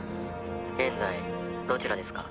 「現在どちらですか？」